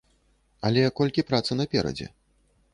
Але колькі працы наперадзе?